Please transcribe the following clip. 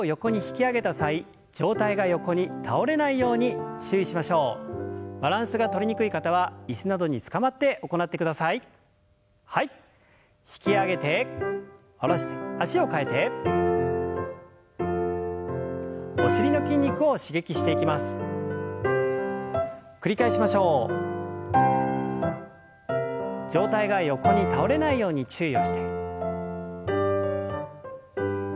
上体が横に倒れないように注意をして。